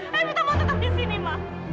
mama saya ingin tetap di sini ma